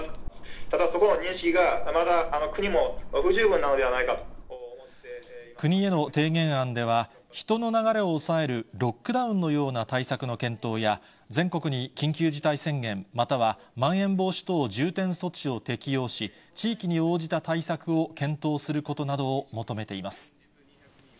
ただそこの認識が、まだ国も不十国への提言案では、人の流れを抑えるロックダウンのような対策の検討や、全国に緊急事態宣言、またはまん延防止等重点措置を適用し、地域に応じた対策を検討することなどを求めています。